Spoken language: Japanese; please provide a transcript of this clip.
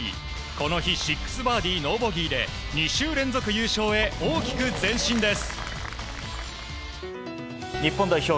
この日６バーディー、ノーボギーで２週連続優勝へ大きく前進です。